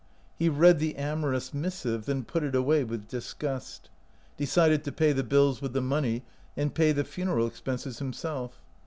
He read the amorous missive, then put it away with disgust ; de cided to pay the bills with the money and pay the funeral expenses himself.